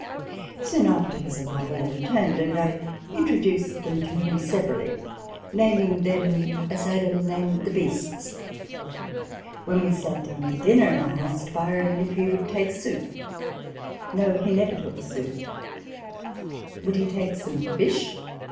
Soon after his arrival, they returned ; and I introduced them to him severally, naming them as Adam named the beasts. When we sat down to dinner, I asked Byron if he would take soup ?" No ; he never took soup." Would he take some fish ?